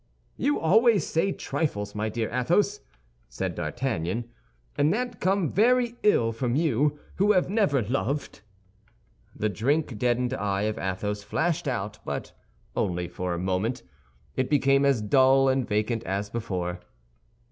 "You always say trifles, my dear Athos!" said D'Artagnan, "and that comes very ill from you, who have never loved." The drink deadened eye of Athos flashed out, but only for a moment; it became as dull and vacant as before.